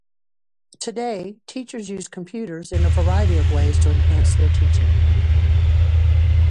Today, teachers use computers in a variety of ways to enhance their teaching.